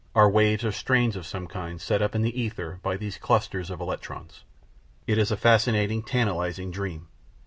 are waves or strains of some kind set up in the ether by these clusters of electrons. It is a fascinating, tantalising dream.